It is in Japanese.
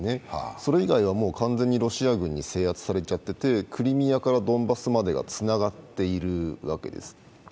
それ以外は完全にロシア軍に制圧されちゃっててクリミアからドンバスまでがつながっているわけです。